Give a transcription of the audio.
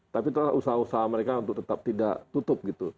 tapi usaha usaha mereka untuk tetap tidak tutup